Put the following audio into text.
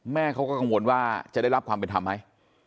แม่เขาก็กังวลว่าจะได้รับความเป็นธรรมไหม